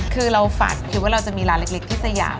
คือเราฝันคิดว่าเราจะมีร้านเล็กที่สยาม